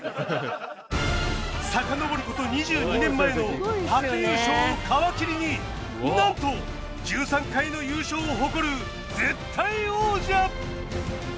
遡ること２２年前の初優勝を皮切りになんと１３回の優勝を誇る絶対王者！